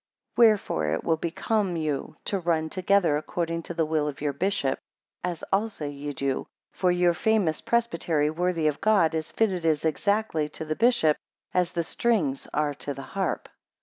13 Wherefore it will become you to run together according to the will of your bishop, as also ye do, 14 For your famous presbytery, worthy of God, is fitted as exactly to the bishop, as the strings are to the harp.